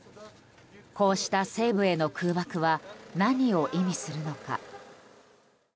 こうした西部への空爆は何を意味するのか。